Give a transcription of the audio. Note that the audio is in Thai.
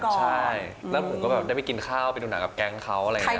ใช่แล้วผมก็แบบได้ไปกินข้าวไปดูหนังกับแก๊งเขาอะไรอย่างนี้